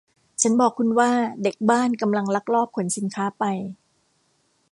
ฉันบอกคุณว่าเด็กบ้านกำลังลักลอบขนสินค้าไป